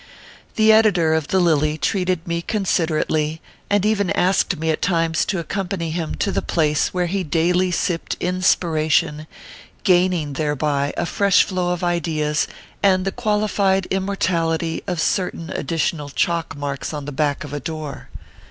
The editor of the Lily treated me considerately, and even asked me at times to accompany him to the place where he daily sipped inspiration, gaining there by a fresh flow of ideas and the qualified immortality ORPHEUS C. KERR PAPERS. 25 of certain additional chalk marks on the back of a door.